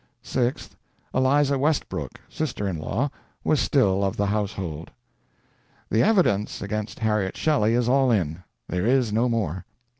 6th. Eliza Westbrook, sister in law, was still of the household. The evidence against Harriet Shelley is all in; there is no more.